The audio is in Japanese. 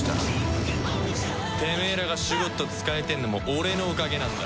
てめえらがシュゴッド使えてんのも俺のおかげなんだ。